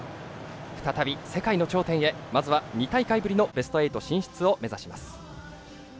再び、世界の頂点へまずは２大会ぶりのベスト８進出を目指します。